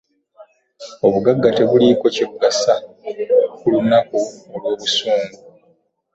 Obugagga tebuliiko kye bugasa ku lunaku olw'obusungu.